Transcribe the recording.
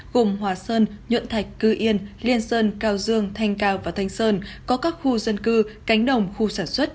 gồm hòa sơn nhuận thạch yên liên sơn cao dương thanh cao và thanh sơn có các khu dân cư cánh đồng khu sản xuất